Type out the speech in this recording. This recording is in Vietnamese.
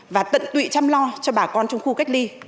và tận tụy chăm lo cho bà con trong khu cách ly